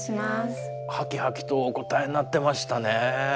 はきはきとお答えになってましたね。